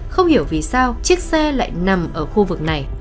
không hiểu vì sao chiếc xe lại nằm ở khu vực này